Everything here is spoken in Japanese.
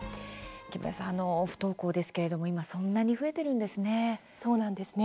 木村さん、不登校ですけれどもそんなに増えているんですね。